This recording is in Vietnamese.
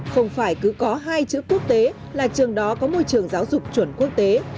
không phải cứ có hai chữ quốc tế là trường đó có môi trường giáo dục chuẩn quốc tế